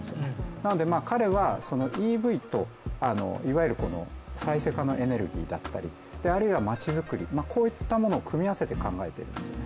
なので彼はＥＶといわゆる再生可能のエネルギーだったりあるいは街作り、こういったものを組み合わせて考えてますね。